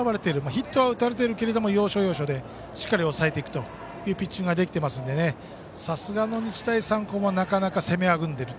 ヒットは打たれているけど要所要所でしっかり抑えていくピッチングができていますのでさすがの日大三高もなかなか攻めあぐんでいる。